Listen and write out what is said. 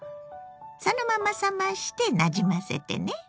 そのまま冷ましてなじませてね。